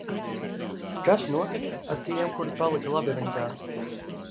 Kas notika ar tiem, kuri palika labirintā?